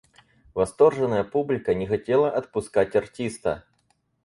Восторженная публика не хотела отпускать артиста.